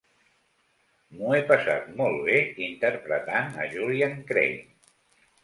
M'ho he passat molt bé interpretant a Julian Crane.